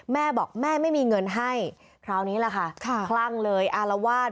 แม่บอกแม่ไม่มีเงินให้คราวนี้แหละค่ะคลั่งเลยอารวาส